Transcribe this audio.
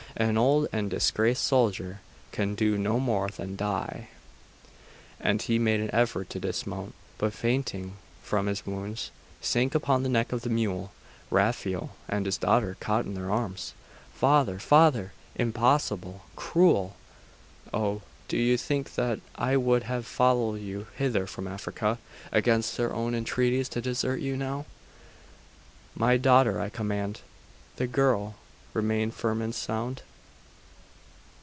An old and disgraced soldier can do no more than die.' And he made an effort to dismount; but fainting from his wounds, sank upon the neck of the mule. Raphael and his daughter caught in their arms. 'Father! Father! Impossible! Cruel! Oh do you think that I would have followed you hither from Africa, against your own entreaties, to desert you now?' 'My daughter, I command!' The girl remained firm and sound.